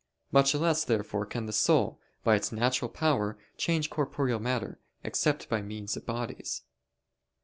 Much less therefore can the soul, by its natural power, change corporeal matter, except by means of bodies.